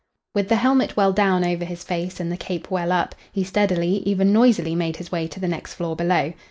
With the helmet well down over his face and the cape well up, he steadily, even noisily made his way to the next floor below.